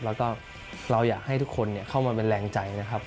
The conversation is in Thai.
แล้วก็เราอยากให้ทุกคนเข้ามาเป็นแรงใจนะครับ